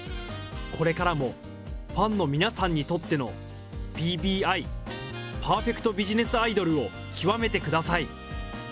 これからもファンの皆さんにとっての、ＰＢＩ・パーフェクト・ビジネス・アイドルを極めてください。